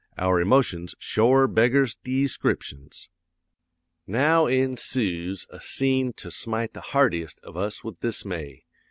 Our emotions shore beggars deescriptions. "'Now ensooes a scene to smite the hardiest of us with dismay.